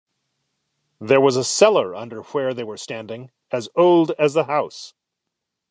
There was a cellar under where they were standing, as old as the house.